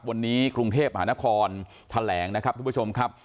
วันนี้กรุงเทพมหานครแถลงนะครับทุกผู้ชมครับ